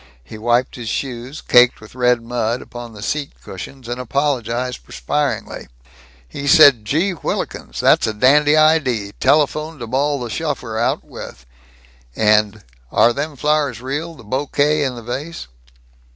He wiped his shoes, caked with red mud, upon the seat cushions, and apologized perspiringly. He said, "Gee whillikens, that's a dandy idee, telephone to bawl the shuffer out with," and "Are them flowers real, the bokay in the vase?"